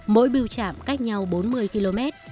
mỗi biêu trạm cách nhau bốn mươi km